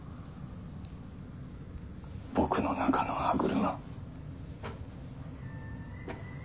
僕の中の歯車。